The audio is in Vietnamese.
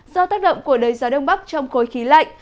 do tác động của đới gió đông bắc trong khối khí lạnh